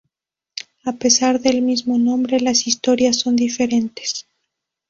A pesar del mismo nombre, las historias son diferentes.